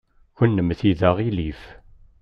Kennemti d aɣilif.